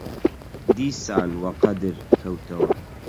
دیسان وەقەدر کەوتەوە